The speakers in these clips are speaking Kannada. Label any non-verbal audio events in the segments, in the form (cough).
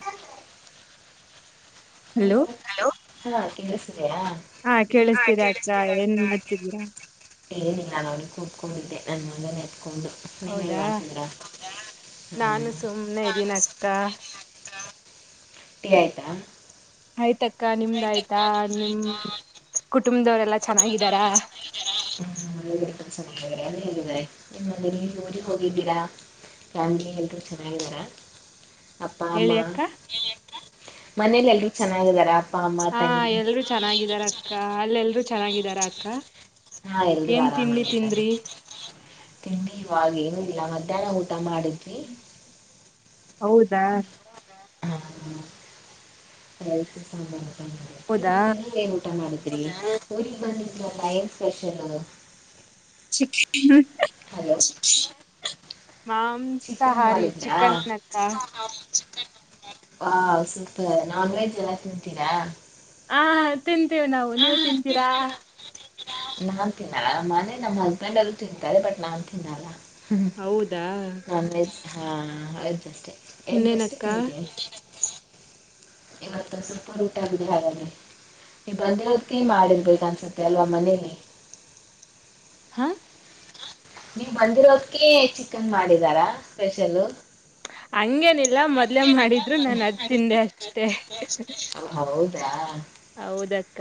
ನಮ್ದ. ಹಲೋ ಹಲೋ ಹಾ ಕೇಳ್ಸ್ತೀದೆಯಾ. ಹಾ ಕೇಳಿಸ್ತಿದೆ ಅಕ್ಕ ಕೇಳಿಸ್ತೀದೆ ಅನಿತಾ ಏನ್ ಮಾಡ್ತಿದೀರಾ ಮಾಡ್ ಏನಿಲ್ಲಾ ನೋಡಿ ಕೂತ್ಕೊಂಡಿದ್ದೆ ನನ್ ಮಗನ ಎತ್ಕೊಂಡು. ನೀವೇನ್ ಹೌದಾ ಮಾಡ್ತಿದ್ರಾ ಹ್ಮ್ ನಾನು ಸುಮ್ಮ್ನೆ ಇದ್ದೀನಕ್ಕ. ಟೀ ಆಯ್ತಾ. ಆಯ್ತಕ್ಕ ನಿಮ್ದ್ ಆಯ್ತಾ ನಿಮ್ ಕುಟುಂಬದವರೆಲ್ಲಾ ಚೆನ್ನಾಗಿದಾರ. ಹ್ಮ್ ಮನೆಯವರೆಲ್ಲ ಚೆನ್ನಾಗಿದ್ದಾರೆ ಅಲ್ಲಿ ಹೇಗಿದ್ದಾರೆ ಮತ್ತೆ (unintelligible) ಊರಿಗೆ ಹೋಗಿದ್ದೀರಾ. ಫ್ಯಾಮಿಲಿ ಎಲ್ರು ಚೆನ್ನಾಗಿದಾರ. ಅಪ್ಪ ಅಮ್ಮ ಹೇಳಿ ಅಕ್ಕ ಮನೇಲ್ ಎಲ್ರೂ ಚೆನ್ನಾಗಿದಾರಾ. ಹಾ ಎಲ್ರು ಚೆನ್ನಾಗಿದಾರಕ್ಕ ಅಲ್ ಎಲ್ರು ಚೆನ್ನಾಗಿದಾರ ಅಕ್ಕ. ಹಾ ಎಲ್ರೂ ಏನ್ ತಿಂಡಿ ಆರಾಮಾಗಿದ್ದಾರೆ. ತಿಂದ್ರಿ ತಿಂಡಿ ಇವಾಗ ಏನು ಇಲ್ಲ ಮಧ್ಯಾಹ್ನ ಊಟ ಮಾಡಿದ್ವಿ. ಹೌದಾ. ಹ್ಮ್ ಹ್ಮ್ ರೈಸ್ ಸಾಂಬಾರ್ ಹೌದಾ ಅಕ್ಕ (unintelligible) ಊಟ ಮಾಡ ಊರಿಗ್ ಬಂದಿದ್ವಲ್ಲ ಏನ್ ಸ್ಪೆಷಲ್. (unintelligible) ಹಲೋ. ಹ. ಚಿಕನ್ ಮಾಡಿದ್ರ. ಹಾ ಸ್ವಲ್ಪ ನಾನ್ ವೆಜ್ ಎಲ್ಲ ತಿಂತೀರಾ. ಹ ತಿಂತೇವಿ ನಾವು ನೀವು ತಿಂತೀರಾ. ನಾನ್ ತಿನ್ನಲ್ಲ ಮನೆ ನಮ್ ಹಸ್ಬೆಂಡ್ ಅವರು ತಿಂತಾರೆ ಬಟ್ ನಾನ್ ತಿನ್ನಲ್ಲ. ಹ್ಮ್ ಹೌದಾ ನನ್ ಹಾ ಅಯದಷ್ಟೆ ಎಗ್ ಅಷ್ಟೇ ಇನ್ನೇನಕ್ಕ ತಿಂತೀ. ಇವತ್ತು ಸೂಲ್ಪರ್ ಊಟ ಆಗಿದೆ ಹಾಗಡ್ರೆ. ನೀ ಬಂದಿರೋದಕಿ ಮಾಡಿರ್ಬೇಕ ಅನ್ಸುತ್ತೆ ಅಲ್ವಾ ಮನೇಲಿ. ಹಾ- ನೀವು ಬಂದಿರೋದಕ್ಕೆ ಚಿಕನ್ ಮಾಡಿದಾರಾ ಸ್ಪೆಷಲ್ಲ. ಹಂಗೇನಿಲ್ಲ ಮೊದ್ಲೆೇ ಮಾಡಿದ್ರು ನಾನ ಅದ್ ತಿಂದೆ ಅಷ್ಟೆ. ಹ ಹೌದಾ. ಹೌದಕ್ಕ.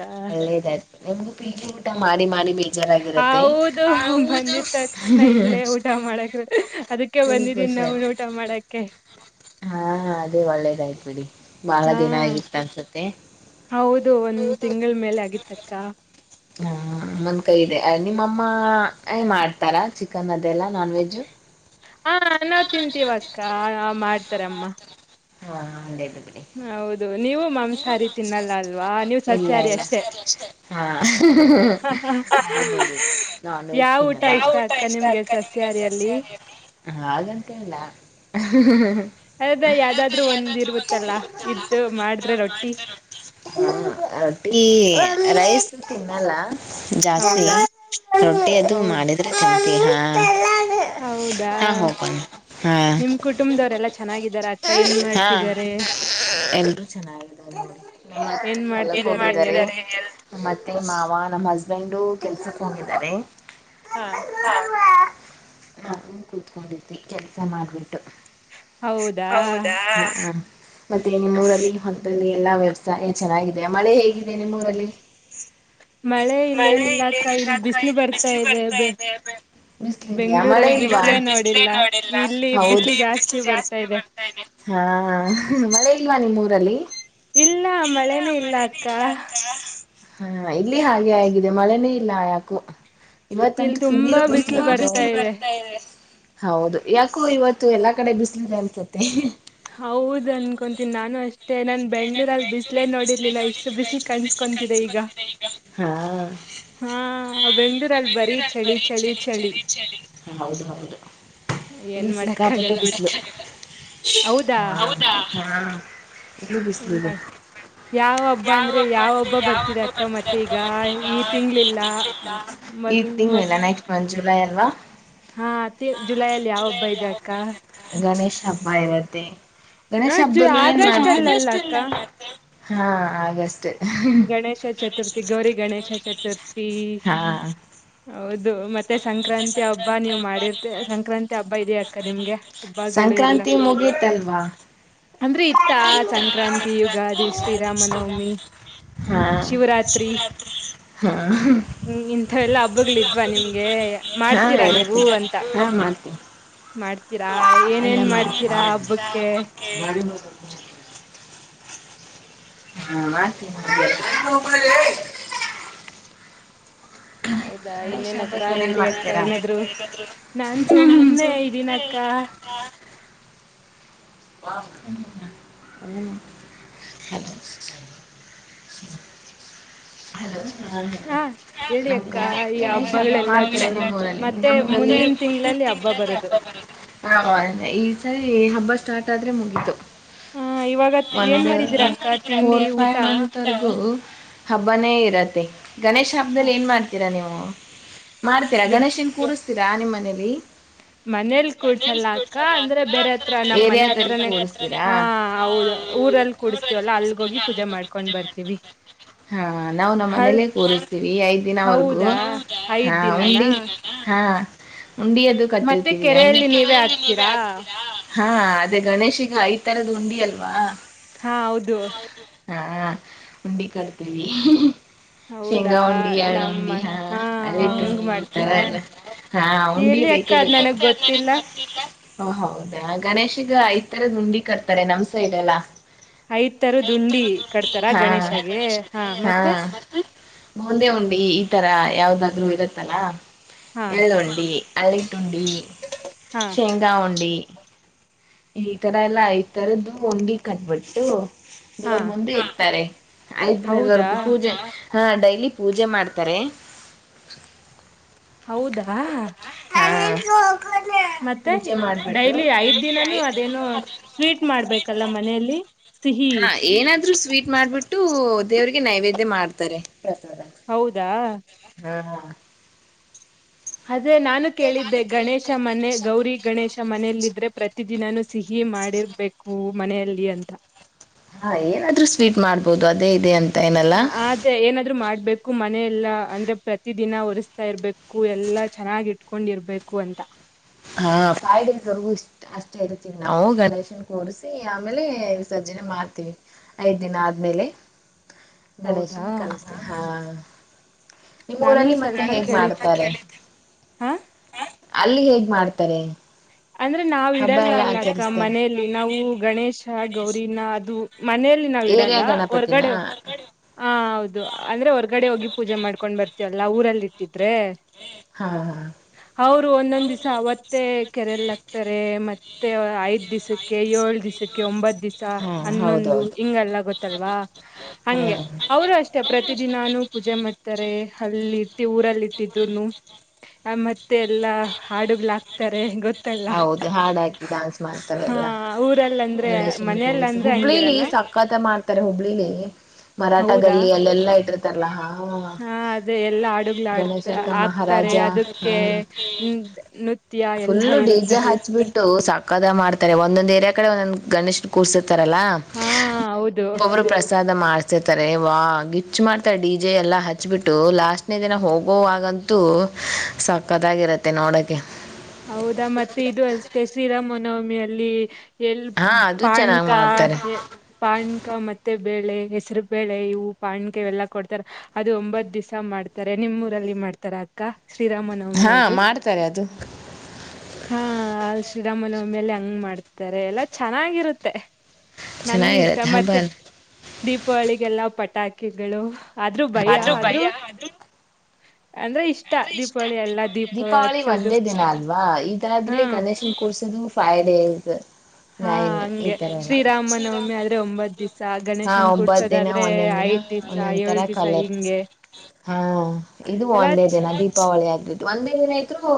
ನಿಮ್ಗು ಪೀಗಿ ಊಟ ಮಾಡಿ ಮಾಡಿ ಬೇಜಾರಾಗಿರತ್ತೆ. ನಾ ಇಲ್ಲೇ ಊಟ ಮಾಡಕ ಅದಕ್ಕೆ ಬಂದಿದೀನ್ ನನ್ ಊಟ ಮಾಡಕೆ. ಹಾ ಅದೇ ಒಳ್ಳೇದಾಯ್ತು ಬಿಡಿ ಬಹಳ ಹಾ ದಿನ ಆಗಿತ್ತು ಅನ್ಸತ್ತೆ. ಹೌದು ಒಂದ್ ತಿಂಗಳ ಮೇಲೆ ಆಗಿತ್ತಕ್ಕ. ಹಮ್ಮಂದ್ ಕೈ ಇದೆ ನಿಮ್ಮಮ್ಮ ಏ ಮಾಡ್ತಾರಾ ಚಿಕನ್ ಅದೆಲ್ಲ ನಾನ್ ವೆಜ್ಜ್. ಹಾ ನಾವ್ ತಿಂತೀವಕ್ಕ ಮಾಡ್ತಾರಮ್ಮ. ಹಾ ಅದೇ. ಹೌದು ನೀವು ಮಾಂಸಾಹಾರಿ ತಿನ್ನಲ್ಲ ಅಲ್ವಾ ನೀವು್ ಇಲ್ಲ ಸಸ್ಯಾಹಾರಿ ಇಲ್ಲ ಅಷ್ಟೇ. ಹಾ ನಾನ್ ವೆಜ್ ಯಾವ ತಿನ್ನಲ್ಲ ಯಾವ್ ಊಟ ಅಕ್ಕ ಇಷ್ಟ. ನಿಮ್ಗೆ ಸಸ್ಯಾಹಾರಿಯಲ್ಲಿ ಸಸ್ಯಾಹಾರಿ ಅಲ್ಲಿ ಹಾಗಂತ ಇಲ್ಲ. ಅದ ಯಾವ್ದಾದ್ರರು ಒಂದ್ ಇರ್ಬತ್ತಲ್ಲಾ ಇದ್ದ ಮಾಡ್ರೆ ರೊಟ್ಟಿ. ಹ ರಟಿ ರೈಸ್ ತಿನ್ನಲ್ಲ. ಜಾಸ್ತಿ ಹೌದಾ ರೊಟ್ಟಿ ಅದು ಹೌದ್ ಮಾಡಿದ್ರೆ ಚಪ ಹಾ. ಹಾ ಹೋಗೋಗಣ ಹಾ. ಕುಟುಂಬದವರೆಲ್ಲ ಚೆನ್ನಾಗಿದ್ದಾರೆ ಅಕ್ಕ ಏನ್ ಮಾಡ್ಸಿದಿದ್ದಾರೆ. ಎಲ್ರುೂ ಚೆನ್ನಾಗಿದೆ. ಏನ್ ಮಾಡ್ತಿದ್ದಾರೆ ಎಲ್ (inaudible) ಮತ್ತೆ ಮಾವ ನಮ್ಮ ಹಸ್ಬೆಂಡು ಕೆಲ್ಸಕ್ಕೆ ಹೋಗಿದ್ದಾರೆ. ಹಾ ನಾನ ಕುೂತ್ಕೊಂಡವಿ ಕೆಲ್ಸ ಮಾಡ್ಬಿಟ್ಟು. ಹೌದಾ. ಮತ್ತೆ ನಿಮ್ಮೂಊರಲ್ಲಿ ಹೊಂತಲ್ಲಿ ಎಲ್ಲಾ ವ್ಯವಸಾಯ ಚೆನ್ನಾಗಿದೆ ಮಳೆ ಹೇಗಿದೆ ನಿಮ್ಮೂಊರಲ್ಲಿ. ಮಳೆ ಇಲ್ಲೇ ನಿಗಾ ಕ ಇಲ್ಲ ಬಿಸಿಲು ಬರ್ತಾ ಇದೆ. ಬೆಂಗ್ಳೂರಲ್ಲಿ ಬಿಸ್ಲೇ ಬಿಸಲ ನೋಡಿಲ್ಲ ಇಲ್ಲಿ ಬಿಸಿಲು ಜಾಸ್ತಿ ಬರ್. ಹಾ ಮಳೆ ಇಲ್ವಾ ನಿಮ್ಮ್ೂಊರಲ್ಲಿ. ಇಲ್ಲ ಮಳೆನೇ ಇಲ್ಲ ಅಕ್ಕ. ಹಾ ಇಲ್ಲಿ ಹಾಗೆ ಆಗಿದೆ ಮಳೆನೇ ಇಲ್ಲ ಯಾಕು. ಇಲ್ ಇವತ್ತಂತೂ ಸು ತುಂಬಾ ಬಿಸಿಲು ತುಂಬಾ ಬಿಸ್ಲು ಬರ್ತಾ ಇದೆ. ಹೌದು ಯಾಕೋ ಇವತ್ತು ಎಲ್ಲಾ ಕಡೆ ಬಿಸ್ಲಿದೆ ಅನ್ಸತಿ. ಹೌದ ಅನ್ಕೊಂತೀನಿ ನಾನು. ಮತ್ತೆ ನನ್ ಬೆಂಗ್ಳೂರಲ್ಲಿ ಬಿಸಲೇ ನೋಡಿರ್ಲಿಲ್ಲ ಇಷ್ಟು ಬಿಸಿ್ಲು ಕಾಣಸ್ಕೊತಿದೆ ಈಗ. ಹಾ ಹಾ ಬೆಂಗ್ಳೂರಲ್ಲಿ ಬರೀ ಚಳಿ ಚಳಿ ಚಳಿ. ಹೌದು ಹೌದು. ಏನ್ ಇಲ್ಲಿ ಸಿಕ್ಕಾಪಟ್ಟ ಮಾಡಕ್ಕಾಗಲ್ಲ ಬಿಸಿಲು ಹೌದಾ ಹೌದು ಹ. ಇಲ್ಲೂ ಏನ್ ಮಾಡ ಬಿಸಲಿದೆ. ಯಾವ ಹಬ್ಬ ಯಾವಬ್ಬ ಯಾವ ಅಂದ್ರೆ ಹಬ್ಬ ಬರ್ತಿದೆ ಯಾವಬ್ಬ ಅಕ್ಕ ಬರ್ತಿರಕ್ಕ ಮತ್ತೆ ಈಗ ಈ ಈ ತಿಂಗ್ಳಿಲ್ಲ ತಿಂಗ್ಲು ಮ್- ಗೋನ್ ಈ ಮೊದ್ಲ್ ತಿಂಗ್ಳು ಮತ್ ಇಲ್ಲ ನೆಕ್ಸ್ಟ್ ಮಂದ್ ಜುಲೈ ಅಲ್ವಾ ಹಾ ಅತ್ತೆ ಜುಲೈಯಲ್ಲಿ ಯಾವ ಒಬ್ಬ ಇದ ಅಕ್ಕ ಗಣೇಶನ ಹಬ್ಬ ಇರುತ್ತೆ ಹ ಜ ಆಗಸ್ಟ್ ಅಲ್ಲಲ್ಲ ಅಕ್ಕ ಹಾ ಆಗಷ್ಟೆ ಗಣೇಶ ಚತುರ್ಥಿ ಗೌರಿ ಗಣೇಶ ಚತುರ್ಥಿ ಹಾ ಹೌದು ಮತ್ತೆ ಸಂಕ್ರಾಂತಿ ಹಬ್ಬ ನೀವ್ ಮಾಡಿರ್ತಿ ಸಂಕ್ರಾಂತಿ ಹಬ್ಬ ಇದ್ಯಾ ಅಕ್ಕ ನಿಮ್ಗೆ ಹಬ್ಬಾಗಳು ಎಲ್ಲಾ ಸಂಕ್ರಾಂತಿ ಮುಗೀತಲ್ವಾ ಅಂದ್ರೆ ಇತ್ತಾ ಸಂಕ್ರಾಂತಿ ಯುಗಾದಿ ಶ್ರೀರಾಮನವಮಿ ಹಾ ಶಿವರಾತ್ರಿ ಹಾ ಹ್ಮ ಇಂಥ ಎಲ್ಲಾ ಹಬ್ಬಗಳಿದ್ವ ನಿಮ್ಗೆ ಹಾ ಮಾಡ್ತೀರಾ ಇರತ್ತೆ ನೀವು ಅಂತ ಹಾ ಮಾಡ್ತೀನಿ ಮಾಡ್ತೀರಾ ಏನೇನ್ ಮಾಡ್ತೀರಾ ಹಬ್ಬಕ್ಕೆ ಗಾಡಿ ಮ್ಯಾಗ ಕರ್ಕೊಂಡ್ ಹೊಕ್ಕಿನಿ. ಹೌದಾ (inaudible) ಹೌದಾ ಗಣೇಶ ಇನ್ನೇನಕ್ಕ ಹಬ್ಬಕ್ ಏನೇನ್ ಹೇಳಿ ಅಕ್ಕ ಮಾಡ್ತೀರಾ ಏನಾದ್ರು ನಾನ್ ಸುಮ್ನೆ ಇದ್ದೀನಕ್ಕ (unintelligible) ಹ್ಮ (unintelligible) (inaudible) ಹಾ (unintelligible) ಹೇಳಿ ಅಕ್ಕ ಈ (inaudible) ಹಬ್ಬಗಳೆಲ್ಲಾ ಜೋರು ಮತ್ತೆ (unintelligible) ಮುಂದಿನ ತಿಂಗಳಲ್ಲಿ ಬರೋದು ಹಬ್ಬ ಬರುತ್ತೆ. ಹೌದ ಈ ಸರಿ ಹಬ್ಬ ಸ್ಟಾರ್ಟ್ ಆದ್ರೆ ಮುಗಿತು. ಆ ಇವಾಗ ಒಂದು ಏನ್ ಮಾಡಿದೀರಾ ಅಕ್ಕ ತಿಂಡಿ ಫೋರ್ ಊಟ ಫೈವ್ ಮಂತ್ವರೆಗೂ ಹಬ್ಬನೇ ಇರತ್ತೆ ಗಣೇಶ ಹಬ್ಬದಲ್ಲಿ ಏನ್ ಮಾಡ್ತೀರಾ ನೀವು ಮಾಡ್ತೀರಾ ಗಣೇಶ ಗಣೇಶನ ಕೂರುಸ್ತೀರಾ ನಿಮ್ಮನೇಲಿ ಮನೇಲಿ ಗಣೇಶ್ ಕೂಡ್ಸಲ್ಲ ಕೂರ್ಸಲ್ಲ ಅಂದ್ರೆ ಅಕ್ಕ ಬೇರೆ ಅಂದ್ರೆ. ಹತ್ರ ನಮ್ ಮನೆ ಏರಿಯಾದಲ್ ಹತ್ರನೇ ಕೂರಿಸ್ತೀರಾ ಹಾ ಹ ಹ ಹೌದು ಊರಲ್ಲಿ ಊರಲ್ ಕೂಡಸ್ತೀವಲ್ಲಾ ಕೂರಿಸ್ತೀವ್ರಿ ಅಲ್ಗೋಗಿ ಅಲ್ಲಿಗ್ ಹೋಗಿ ಮಾಡ್ಕೊಂಡ್ ಪೂಜೆ ಮಾಡ್ಕೂಂಡ್ ಬರ್ತೀವಿ. ಹಾ ನಾವು ನಮ್ಮ್ ಅಲ್ ಮನೇಲ್ಲೇ ಕೂರಸ್ತೀವಿ ಐದ್ ದಿನವರ್ಗೂ ಹೌದಾ ಹಾ ಐದ್ ಉಂಡಿ ದಿನನಾ ಹಾ ಉಂಡಿಯದು ಮತ್ತೆ ಕೆರೆಯಲ್ಲಿ ನೀವೇ ಹಾಕ್ತೀರಾ ಹಾ ಅದ ಗಣೇಶಗ ಐ ತರದ ಉಂಡಿ ಅಲ್ವಾ ಹಾ ಹೌದು ಹ್ಮ ಉಂಡಿ ಕಡ್ತೀವಿ ಶೆಂಗ ಹೌದಾ ಉಂಡಿ ಎಳ್ ನಮ್ಮ ಉಂಡಿ ಹಾ ಅದಕ್ಕ ಹಂಗ್ ಈ ತರ ಮಾಡ್ತೀರಾ ಎಲ್ಲ ಹಾ ಉಂಡಿ ಹೇಳಿ ಅಕ್ಕ ಬೇಕಿದ್ರ ಅದ್ ನನಗ್ ಗೊತ್ತಿಲ್ಲ (inaudible) ಓ ಹೌದಾ ಗಣೇಶಗ ಐದ್ ತರದ ಉಂಡಿ ಕಡ್ತಾರೆ ನಮ್ ಸೈಡಲ್ಲಾ ಐದ್ ತರದ ಉಂಡಿ ಹಾ ಇಡ್ತೀರಾ ಗಣೇಶಂಗೆ ಹಾ ಮತ್ತೆ ಬೂಂದೇ ಉಂಡಿ ಈ ತರ ಯಾವ್ದಾದ್ರರು ಇರತ್ತಲ್ಲಾ ಹಾ ಎಳ್ಳುಂಡಿ ಅಳ್ಳಟ್ಟ ಉಂಡಿ ಹಾ ಶೇಂಗ ಉಂಡಿ ಈ ತರ ಎಲ್ಲಾ ಐತರದ್ದು ಉಂಡಿ ಕಟ್ಬಿಟ್ಟು ಹಾ ದೇವರ್ ಮುಂದೆ ಇಡ್ತಾರೆ ಐದು ಹೌದಾ ದಿನದವರೆಗೂ ಪೂಜೆ ಹಾ ಡೈಲಿ ಪೂಜೆ ಮಾಡ್ತಾರೆ ಹೌದಾ ಹಾ ಮತ್ತೆ ಪೂಜೆ ಮಾಡ್ಬಿಟ್ಟು ಡೈಲಿ ಐದು ಇದ ದಿನಾನೂ ಅದೇನು ಸ್ವೀಟ್ ಮಾಡ್ಬೇಕಲ್ಲ ಮನೆಯಲ್ಲಿ ಸಿಹಿ ಹಾ ಏನಾದ್ರು ಸ್ವೀಟ್ ಮಾಡ್ಬಿಟ್ಟು ದೇವ್ರಿಗೆ ನೈವೇದ್ಯ ಮಾಡ್ತಾರೆ ಹೌದಾ (unintelligible) ಅದೇ ನಾನು ಕೇಳಿದ್ದೆ ಗಣೇಶ ಮನೆ ಗೌರಿ ಗಣೇಶ ಮನೆಯಲ್ಲ ಇದ್ರೆ ಪ್ರತಿ ದಿನಾನೂ ಸಿಹಿ ಮಾಡಿರ್ಬೇಕು ಮನೆಯಲ್ಲಿ ಅಂತ ಹಾ ಏನಾದ್ರು ಸ್ವೀಟ್ ಮಾಡ್ಬೋದು ಅದೇ ಇದೆ ಅಂತ ಏನಲ್ಲಾ ಮತ್ತೆ ಏನಾದ್ರು ಮಾಡ್ಬೇಕು ಮನೆ ಎಲ್ಲಾ ಅಂದ್ರೆ ಪ್ರತಿ ದಿನ ಒರಸ್ತ ಇರ್ಬೇಕು ಎಲ್ಲಾ ಚೆನ್ನಾಗಿ ಇಟ್ಕೊಂಡಿರ್ಬೇಕು ಅಂತ ಹಾ ಪಾಯಡ ಅಷ್ಟೇ ಇರ್ತೀವಿ ನಾವು ಗಣೇಶನ್ ಕೂರಿಸಿ ಆಮೇಲೆ ವಿಸರ್ಜನೆ ಮಾಡ್ತೀವಿ ಐದ್ ದಿನ ಆದ್ಮೇಲೆ (inaudible) ಹೌದಾ ಗಣೇಶನ್ ಕಲಸ ಹಾ ನಾನು ನಿಮ್ಮೂಊರಲ್ಲಿ ಮತ್ತೆ ಸ್ವಲ್ಪ ಹೆಂಗ ಹೆಂಗ ಕೇಳಿದ್ದೆ ಮಾಡ್ತಾರೆ ನನಗೆ ನಾಕ ಸಾವರ್ ರೂಪಾಯಿ ಕೇಳಿದ್ದೆ ಹ ಹು ಅಲ್ಲಿ ಹೇಗ್ ಮಾಡ್ತಾರೆ ಅಂದ್ರೆ ನಾವ್ ಹಬ್ಬ ಇಡಲ್ಲ ಎಲ್ಲ ಅಲ್ಲ ಅಕ್ಕ ಆಚರಿಸ ಮನೆಯಲ್ಲಿ ನಾವು ಗಣೇಶ ಗೌರಿನ ಅದು ಮನೆಯಲ್ಲಿ ನಾವ್ ಏರಿಯಾ ಇಡಲ್ಲ ಗಣಪತಿನ ಹೊರ್ಗಡೆ ಹೋಗ ಹಾ ಹೌದು ಅಂದ್ರೆ ಹೊರ್ಗಡೆ ಹೋಗಿ ಪೂಜೆ ಮಾಡ್ಕೊಂಡ್ ಬರ್ತೀವಲ್ಲಾ ಊರಲ್ಲಿ ಇಟ್ಟಿದ್ರೆ ಹಾ ಹಾ ಅವರು ಒಂದೊಂದ್ ದಿವ್ಸ ಅವತ್ತೇ ಕೆರಲ್ ಹಾಕ್ತಾರೆ ಮತ್ತೆ ಐದ್ ದಿವಸಕ್ಕೆ ಏಳ್ ದಿವಸಕ್ಕೆ ಒಂಬತ್ ದಿವ್ಸ ಹಾ ಹನ್ನೊಂದು ಹೌದೌದು ಹಿಂಗಲ್ಲ ಗೊತ್ತಲ್ವಾ ಹಾ ಹಂಗೆ ಅವರು ಅಷ್ಟ ಇಷ್ಟ ಪ್ರತಿದಿನಾನು ಪೂಜೆ ಮಾಡ್ತಾರೆ ಅಲ್ಲಿ ಇಟ್ಟ ಊರಲ್ಲಿ ಇಟ್ಟಿದ್ರುನು (inaudible) ಮತ್ತ ಮತ್ತೆ ಎಲ್ಲಾ ಹಾಡುಗಳಾಗ್ತಾರೆ ಗೊತ್ತ ಹೌದು ಹಾಡ್ ಹಾಕಿ ಡಾನ್ಸ ಮಾಡ್ತಾರೆ ಹಾ ಎಲ್ಲಾ ಊರಲ್ಲ ಅಂದ್ರೆ ಗಣೇಶನ ಮನೆಯಲ್ಲ ಕೂರಿಸಿ ಅಂದ್ರೆ ಹುಬ್ಬಳಿಲಿ ಹಂಗಿರಲ್ಲ ಸಾಕ ಪಕ್ಕತ ಮಾಡ್ತಾರೆ ಹುಬ್ಬಳ್ಳಿಲಿ ಮರಾಠ ಹೌದಾ ಗಲ್ಲಿ ಅಲ್ಲೆಲ್ಲಾ ಇಟ್ಟಿರ್ತಾರಲ್ಲ ಹಾ ಹಾ ಅದೇ ಎಲ್ಲಾ ಹಾಡುಗ್ಲ್ ಆಡ್ತ ಗಣೇಶನಾ (unintelligible) ಮಹಾರಾಜ ಹಾ ಹು ನುತ್ಯಾಯ ಡಿಜೆ ಹಚ್ಬಿಟ್ಟು ಸಕ್ಕತ್ತಾಗಿ ಮಾಡ್ತಾರೆ ಒಂದೊಂದ್ ಏರಿಯಾ ಕಡೆ ಒಂದೊಂದ್ ಗಣೇಶ್ನ ಕೂರ್ಸಿರ್ತಾರಲ್ಲಾ ಹಾ ಹೌದು ಒಬ್ಬೊ ಪ್ರಸಾದ ಮಾಡ್ತಾರೆ ತಾರೆ ವಾ ಗಿಚ್ಚು ಮಾಡ್ತಾ ಡಿ ಜೆ ಎಲ್ಲ ಹಚ್ಚಚ್ಬಿಟ್ಟು ಲಾಸ್ಟ್ನೇ ದಿನ ಹೋಗೋವಾಗಂತ ಅಂತು ಸಕ್ಕತ್ತಾಗಿರುತ್ತೆ ನೋಡಕ್ಕೆ ಹೌದಾ ಮತ್ತೆ ಇದು ಅಷ್ಟೇ ಶ್ರೀರಾಮನವಮಿಯ ಅಲ್ಲಿ ಎಲ್ಲಿ ಹಾ ಅದು ಚೆನ್ನಾಗಿ ಪಾಣಕ ಮಾಡ್ತಾರೆ ಪಾಣ್ಕ ಮತ್ತೆ ಬೇಳೆ ಹೆಸರ ಬೇಳೆ ಇವು ಪಾಣ್ಕ ಇವೆಲ್ಲಾ ಕೊಡ್ತಾರ ಅದು ಒಂಬತ್ ದಿವಸ ಮಾಡ್ತಾರೆ ನಿಮ್ಮ ಊರಲ್ಲಿ ಮಾಡ್ತಾರ ಅಕ್ಕ ಶ್ರೀರಾಮನ ಹಾ ಮಾಡ್ತಾರೆ ಅದು ಹಾ ಅ ಶ್ರೀರಾಮನವಮಿಯಲ್ಲಿ ಹಂಗ ಮಾಡ್ತಾರೆ ಎಲ್ಲ ಚೆನ್ನಾಗಿರುತ್ತೆ. ನನ್ಗೆ ಇಷ್ಟ ಚೆನ್ನಾಗಿರತ್ತೆ ಹಬ್ಬ ಮತ್ತೆ ಎಲ್ಲ (inaudible) ದೀಪಾವಳಿಗೆಲ್ಲ ಪಟಾಕಿಗಳು ಆದ್ರೂ ಭಯ ಆದ್ರೂ ಅಂದ್ರೆ ಇಷ್ಟ ಇಷ್ಟ ದೀಪಾವಳಿ ಎಲ್ಲ ದೀಪ ಹಚ್ಚೋದು ನ ಅಲ್ವಾ ಇದಾದ್ರೆ ಹಾ ಗಣೇಶನ್ ಕೂರ್ಸಿದ ಫೈವ್ ಡೇಸ್ ಹಾ ನೈನ್ ಈ ಹಂಗೆ ತರ ಎಲ್ಲ ಆದ್ರೆ ಶ್ರೀರಾಮನವಮಿ ಒಂಬತ್ ಇದು ಯಲ್ಲ ಒಂಬ್ಬತ್ತ ಗಣೇಶನ್ ದಿವ್ಸ ಒಂಬತ್ತು ದಿನ ಕೂಡ್ಸೋದಾದ್ರೆ ಒಂದೊಂದು ದಿನ ಐದ್ ದಿವ್ಸ ನಂತರ ಏಳ್ ದಿವ್ಸ ಕಲರ್ಸ್ ಹಿಂಗೆ ಹಾ ಇದು ಎಲ್ಲಾ ಒಂದೇ ಚ್- ದಿನ ದೀಪಾವಳಿ ಆಗ್ಬಿಟ್ಟು ಒಂದೇ ದಿನಾ ಇದ್ರು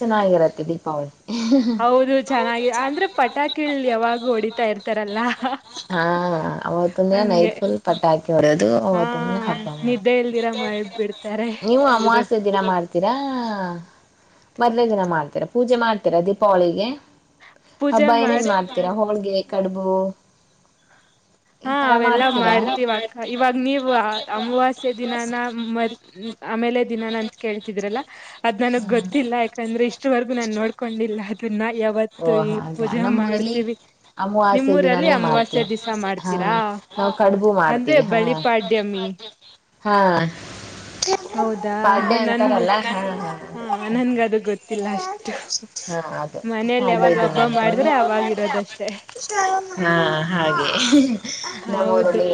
ಚೆನ್ನಾಗಿರತ್ತೆ ದೀಪಾವಳಿ (inaudible) ಹೌದು ಚೆನ್ನಾಗಿ ಅಂದ್ರೆ ಪಟಾಕಿಯಲ್ಲಿ ಯಾವಾಗ ಹೊಡಿತಾ ಇರ್ತ ತರಲ್ಲ (unintelligible) ಹಾ ಅವತ್ತೊಂದಿನ ನೈಟ್ ಫುಲ್ ಪಟಾಕಿ ಹೊಡೆಯದು ಹಾ ಅವತ್ತೊಂದಿನ ಹಬ್ಬ ನಿದ್ದೆ ಇಲ್ದಿರ ಮಾಡ್ಬಿಡ್ತಾರೆ ನೀವು ಎಲ್ರು ಅಮಾವಾಸ್ಸೆ ದಿನ ಮಾಡ್ತೀರಾ (unintelligible) ದಿನ ಮಾಡ್ತೀರಾ ಪೂಜೆ ಮಾಡ್ತೀರಾ ದೀಪಾವಳಿಗೆ ಪೂಜೆ ಹಬ್ಬಾ ಏನೇನ್ ಮಾಡ್ ಮಾಡ್ತೀರಾ ಹೋಳ್ಗೆ ಕಡುಬು. ಈ ಹಾ ತರ ಅವೆಲ್ಲಾ ಮಾಡ್ತೀರಾ ಮಾಡ್ತಿವಕ್ಕ ಇವಾಗ ನೀವು ಅಮವಾಸ್ಯ ದಿನಾನ ಮ ಹ್ಮ್ ಆಮೇಲೆ ದಿನಾನ ಅಂತ ಕೇಳ್ತಿದ್ರಲ್ಲ ಅದ್ ನನಗ್ ಗೊತ್ತಿಲ್ಲ ಯಾಕಂದ್ರೆ ಇಷ್ಟವರೆಗೂ ನಾನ್ ನೋಡ್ಕೊಂಡಿಲ್ಲ ಅದನ್ನ ಅವಾವತ್ತು ಓ ಈ ಹಾಗ ಪೂಜಾ ನಮ್ಮೂರಲ್ಲಿ ಮಾಡ್ತೀವಿ ನಿಮ್ ಅಮಾವಾಸ್ಯ ಊರಲ್ಲಿ ದಿನಾನೇ ಮಾಡ್ತ ಅಮವಾಸ್ಯ ದಿಸ ಮಾಡ್ ಹಾ ನಾವು ಕಡುಬು ಮಾಡ್ತೀವಿ ಹಾ ಬಳಿಪಾಡ್ಯಮಿ ಹಾ ಹೌದಾ ಪಾಡ್ನೆ ನನ್ಗ ಅಂತಾರಲ್ಲ ಹಾಂ ಹಾ ನನ್ಗ ಅದು ಗೊತ್ತಿಲ್ಲ ಅಷ್ಟು ಮತ್ ಹಾ ಅದು ಮನೆಯಲ್ಲಿ ಪಾಡ್ಯ ಯಾವಾಗ ದಿನ ಹಬ್ಬ ಮಾಡಿದ್ರೆ ಅಂತ ಅವಾಗಿರೋದಷ್ಟೇ ಹಾ ಹಾಗೆ ಹೌದು ನಮ್ಮಊರಲ್ಲಿ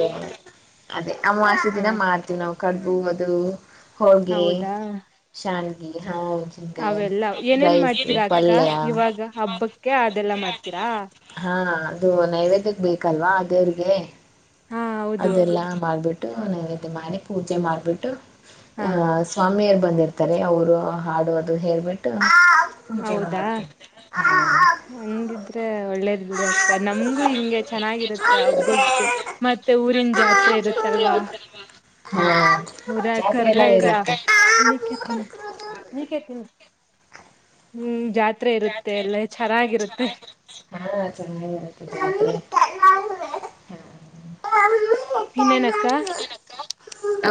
ಅದೇ ಅಮವಾಸೆ ಹ ದಿನ ಮಾಡ್ತೀವಿ ನಾವು ಕಡುಬು ಅದು ಹೋಳ್ಗೆ ಹೌದಾ ಶಾಂಡ್ಗಿ ಹಾ ಮೆಣಸಿನಕಾಯಿ ಅವೆಲ್ಲ ಏನೇನ್ ರೈಸ್ ಮಾಡ್ತೀರಾ ಅಕ್ಕ ಪಲ್ಯ ಇವಾಗ. ಹಬ್ಬಕ್ಕೆ ಅದೆಲ್ಲಾ ಮಾಡ್ತೀರಾ. ಹಾಂ ಅದು ನೈವೇದ್ಯಕ್ ಬೇಕಲ್ವಾ ದೇವ್ರಿಗೆ ಹಾ ಹೌದು ಅದೆಲ್ಲಾ ಮಾಡ್ಬಿಟ್ಟು ನೈವ್ಯದ್ಯ ಮಾಡಿ ಪೂಜೆ ಮಾಡ್ಬಿಟ್ಟು ಹಾ ಸ್ವಾಮಿಯರು ಬಂದಿರ್ತಾರೆ ಅವರು ಹಾಡುವದು ಹೇಳ್ಬಿಟ್ಟು ಪೂಜೆ ಹೌದಾ ಮಾಡ್ತ ಹ್ಮ ಹಂಗಿದ್ರೆ ಒಳ್ಳೇದ್ ಬಿಡಿ ಅಕ್ಕ ನಮ್ಗೂ ಹಿಂಗೆ ಚೆನ್ನಾಗಿರುತ್ತೆ ಹಬ್ಬಕ್ಕೆ. ಮತ್ತೆ ಊರಿನ್ ಜಾತ್ರೆ ಇರುತ್ತಲ್ವಾ. ಹಾಂ ಊರ ಜಾತ್ರೆ ಕರ್ಗ ಎಲ್ಲ ಇಲ್ಲ ಇರುತ್ತೆ ನೀಕೆ ತಿನ್ನು ನೀಕೆ ತಿನ್ನು ಹ್ಮ್ ಜಾತ್ರೆ ಇರುತ್ತೆ ಎಲ್ಲ ಚೆನ್ನಾಗಿರುತ್ತೆ ಹಾಂ ಚೆನ್ನಾಗಿರುತ್ತೆ ಜಾತ್ರೆ ಇನ್ ಎನ್ನಕ್ಕ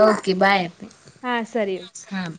ಓಕೆ ಬಾಯ್ ಅಪ್ಪಿ ಹಾ ಸರಿಯು ಹಾಂ